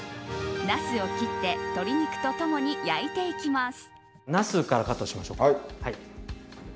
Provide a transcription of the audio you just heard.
ナスを切って鶏肉と共に焼いていきます。